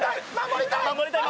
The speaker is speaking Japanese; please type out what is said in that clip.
守りたい！